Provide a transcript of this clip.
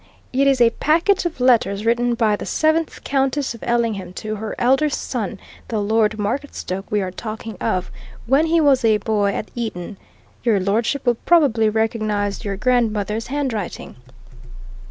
It is a packet of letters written by the seventh Countess of Ellingham to her elder son, the Lord Marketstoke we are talking of, when he was a boy at Eton. Your Lordship will probably recognize your grandmother's handwriting."